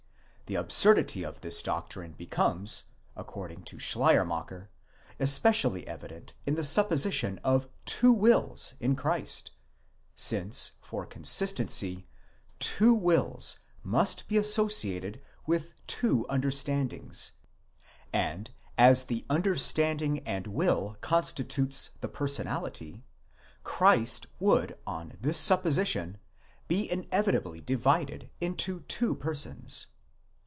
The absurdity of this doctrine becomes, according to Schleiermacher, especially evident in the supposition of two wills in Christ, since, for consistency, two wills must be associated with two understandings, and as the understanding and will constitute the personality, Christ would on this supposition be inevitably divided into two persons.